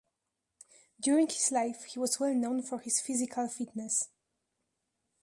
During his life, he was well known for his physical fitness.